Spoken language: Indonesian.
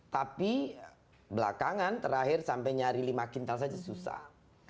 tapi belakangan terakhir sampai nyari lima kintal saja susah